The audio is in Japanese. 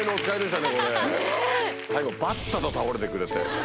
最後ばったと倒れてくれて。